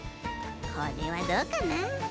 これはどうかな？